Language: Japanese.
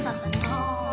ああ。